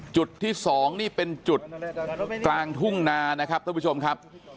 จุดที่๒นี่เป็นจุดกลางทุ่งนานะครับท่านผู้ชมครับ